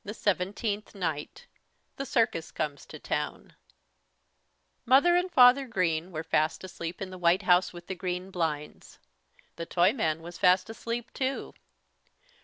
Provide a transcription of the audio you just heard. SEVENTEENTH NIGHT THE CIRCUS COMES TO TOWN Mother Green and Father Green were fast asleep in the White House with the Green Blinds. The Toyman was fast asleep too.